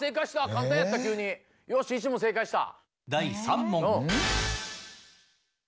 簡単やった急によし１問正解した。